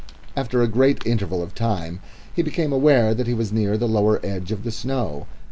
After a great interval of time he became aware that he was near the lower edge of the snow.